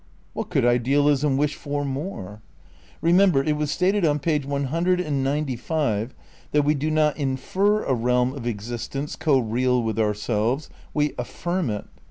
What could idealism wish for more ? Eemember, it was stated on page one hundred and ninety five that we do not infer a realm of existents co real with ourselves, we affirm it.